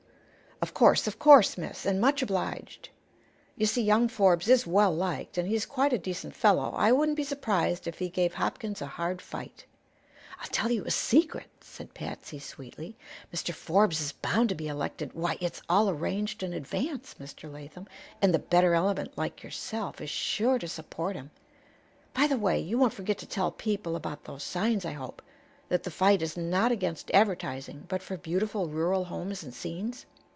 "Of course; of course, miss. And much obliged. You see, young Forbes is well liked, and he's quite a decent fellow. I wouldn't be surprised if he gave Hopkins a hard fight." "I'll tell you a secret," said Patsy, sweetly. "Mr. Forbes is bound to be elected. Why, it's all arranged in advance, Mr. Latham, and the better element, like yourself, is sure to support him. By the way, you won't forget to tell people about those signs, I hope? That the fight is not against advertising, but for beautiful rural homes and scenes."